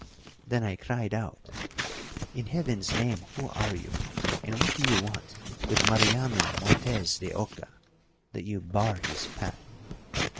Then I cried out, 'In Heaven's name, who are you, and what do you want with Mariano Montes de Oca, that you bar his path?'